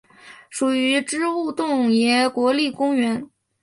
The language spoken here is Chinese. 属于支笏洞爷国立公园。